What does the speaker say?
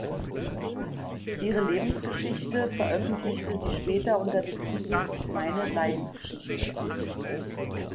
Ihre Lebensgeschichte veröffentlichte sie später unter dem Titel „Meine Leidensgeschichte“.